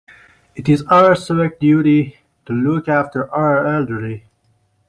It is our civic duty to look after our elderly.